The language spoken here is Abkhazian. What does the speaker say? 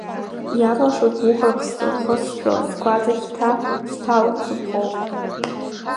Иарлашоит гәыӷрак схы-сҿы, сгәаҵа хьҭа зҭалом сыԥхоуп.